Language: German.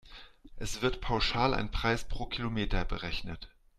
Es wird pauschal ein Preis pro Kilometer berechnet.